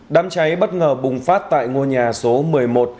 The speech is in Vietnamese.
đám cháy bất ngờ bùng phát tại ngôi nhà số một mươi một